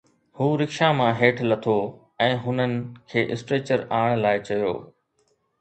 هو رڪشا مان هيٺ لٿو ۽ هنن کي اسٽريچر آڻڻ لاءِ چيو